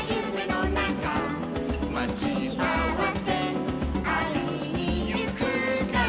「まちあわせあいにゆくから」